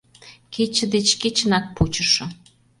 Кече деч кечынак пучышо.